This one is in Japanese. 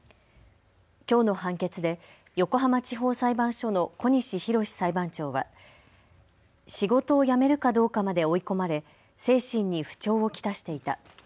きょうの判決で横浜地方裁判所の小西洋裁判長は仕事を辞めるかどうかまで追い込まれ、精神に不調を来していた。